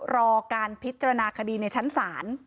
รอการพิจารณาคดีในชั้นศาล